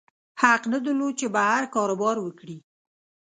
حق نه درلود چې بهر کاروبار وکړي.